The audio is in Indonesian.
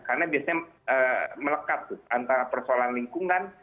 karena biasanya melekat antara persoalan lingkungan